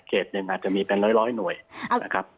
เกตในมันจะมีเป็นร้อยหน่วยนะครับ